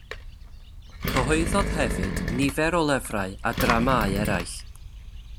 Cyhoeddodd hefyd nifer o lyfrau a dramâu eraill.